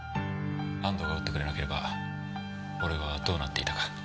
安堂が撃ってくれなければ俺はどうなっていたか。